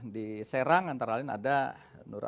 di serang antara lain ada nur